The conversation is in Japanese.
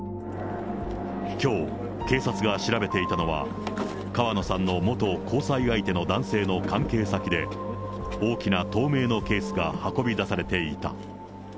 きょう、警察が調べていたのは、川野さんの元交際相手の男性の関係先で、大きな透明のケースが運び出されていた。